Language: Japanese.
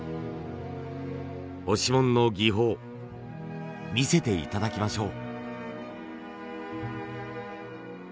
押紋の技法見せて頂きましょう。